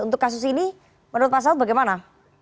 untuk kasus ini menurut pak saud bagaimana